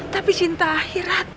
tapi cinta akhirat